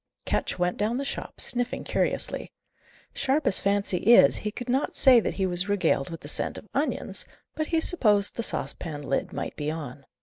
Ketch went down the shop, sniffing curiously. Sharp as fancy is, he could not say that he was regaled with the scent of onions, but he supposed the saucepan lid might be on.